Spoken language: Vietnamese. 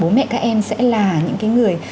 bố mẹ các em sẽ là những cái người